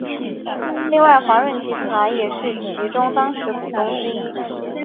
另外华润集团也是其中当时股东之一。